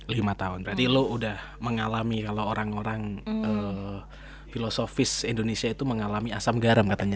lima tahun berarti lo udah mengalami kalau orang orang filosofis indonesia itu mengalami asam garam katanya